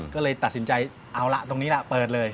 ก็เลยตัดสินใจเอาละตรงนี้ล่ะเปิดเลย